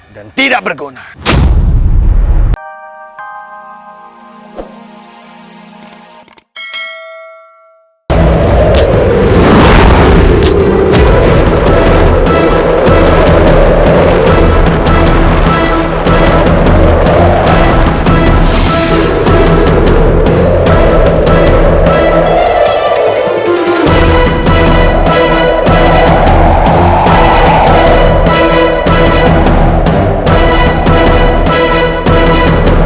dan tidak bisa menangani